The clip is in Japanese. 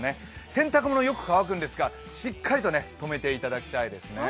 洗濯物、よく乾くんですがしっかりととめていただきたいです。